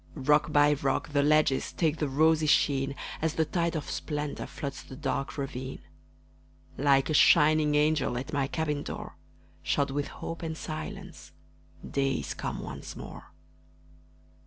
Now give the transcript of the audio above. Rock by rock the ledges Take the rosy sheen, As the tide of splendor Floods the dark ravine. Like a shining angel At my cabin door, Shod with hope and silence, Day is come once more.